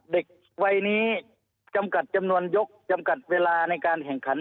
เด็กวัยนี้จำกัดจำนวนยกจำกัดเวลาในการแข่งขัน